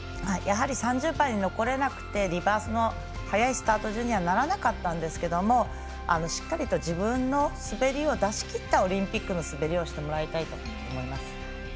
やはり３０番に残れなくてリバースの早い順位にはならなかったんですけどしっかりと自分の滑りを出しきったオリンピックの滑りをしてもらいたいと思います。